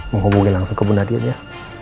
menghubungi langsung ke bu nadia ya